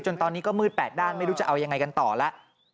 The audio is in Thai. ตอนนี้ก็มืด๘ด้านไม่รู้จะเอายังไงกันต่อแล้ว